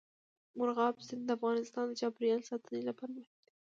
مورغاب سیند د افغانستان د چاپیریال ساتنې لپاره مهم دي.